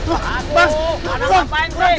ada apaan sih